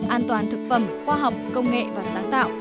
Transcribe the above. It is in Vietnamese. an toàn thực phẩm khoa học công nghệ và sáng tạo